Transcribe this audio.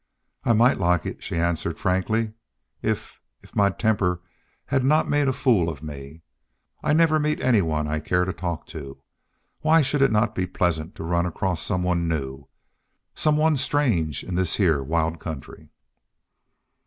"I might like it," she answered, frankly, "if if my temper had not made a fool of me. I never meet anyone I care to talk to. Why should it not be pleasant to run across some one new some one strange in this heah wild country?"